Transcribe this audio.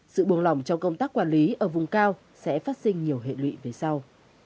sự buồn lỏng trong công tác quản lý ở vùng cao sẽ phát sinh nhiều hệ lụy về sau